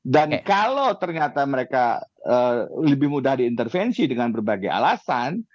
dan kalau ternyata mereka lebih mudah diintervensi dengan berbagai alasan